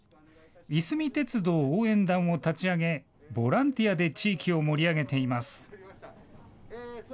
いすみ鉄道応援団を立ち上げ、ボランティアで地域を盛り上げています。